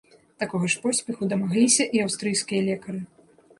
Такога ж поспеху дамагліся і аўстрыйскія лекары.